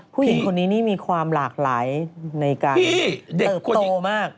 ผู้หญิงคนนี้นี่มีความหลากหลายในการเด็กคนดีมาก